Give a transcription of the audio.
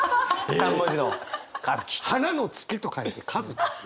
「花の月」と書いて「かづき」って。